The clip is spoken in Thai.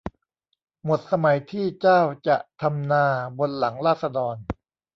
หมดสมัยที่เจ้าจะทำนาบนหลังราษฎร